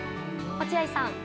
落合さん。